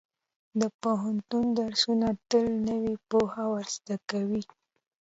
د پوهنتون درسونه تل نوې پوهه ورزده کوي.